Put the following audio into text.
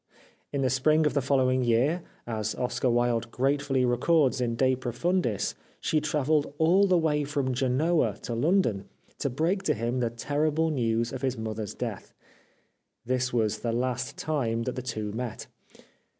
In the spring of the following year, as Oscar Wilde gratefully re cords in " De Profundis," she travelled all the way from Genoa to London to break to him the terrible news of his mother's death. This was the last time that the two met.